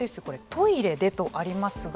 トイレでとありますが。